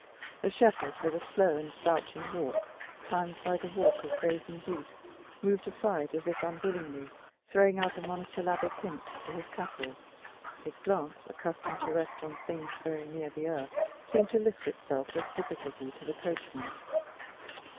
The shepherd, with a slow and slouching walk, timed by the walk of grazing beasts, moved aside, as if unwillingly, throwing out a monosyllabic hint to his cattle; his glance, accustomed to rest on things very near the earth, seemed to lift itself with difficulty to the coachman.